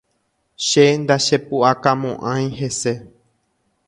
Che ndachepuʼakamoʼãi hese.